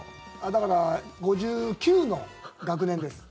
だから、５９の学年です。